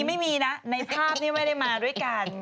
ไม่มีนะในภาพนี้ไม่ได้มาด้วยกัน